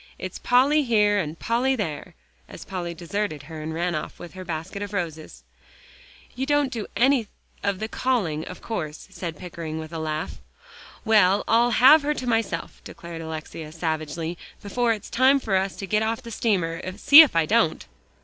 It's Polly here, and Polly there," as Polly deserted her and ran off with her basket of roses. "You don't do any of the calling, of course," said Pickering, with a laugh. "Well, I'll have her to myself," declared Alexia savagely, "before it's time for us to get off the steamer, see if I don't."